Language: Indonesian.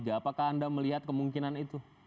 apakah anda melihat kemungkinan itu